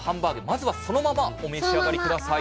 まずはそのままお召し上がり下さい。